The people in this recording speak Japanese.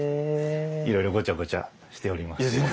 いろいろごちゃごちゃしております。